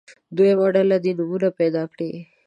دویمه ډله دې نومونه پیدا کړي.